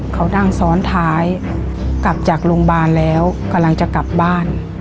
เขานั่งซ้อนท้ายกลับจากโรงพยาบาลแล้วกำลังจะกลับบ้าน